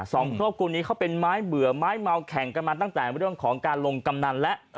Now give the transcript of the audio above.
สองครอบครัวนี้เขาเป็นไม้เบื่อไม้เมาแข่งกันมาตั้งแต่เรื่องของการลงกำนันแล้ว